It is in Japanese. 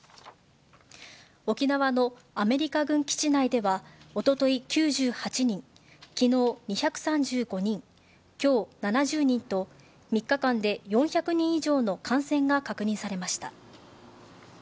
沖縄のアメリカ軍基地内では、おととい９８人、きのう２３５人、きょう７０人と、３日間で４００人以上の感染が確認されました。